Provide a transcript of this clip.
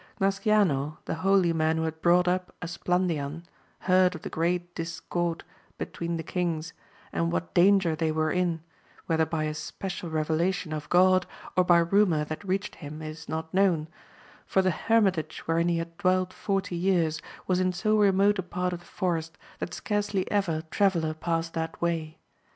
ASCIANO, the holy man who had brought up Esplandian, heard of the great discord between the kings, and what danger they 1 were in, whether by a special revelation /)f God, or by I rumour that reached him is not known, for the her mitage wherein he had dwelt forty years, was in so remote a part of the forest, that scarcely ever traveller passed that way.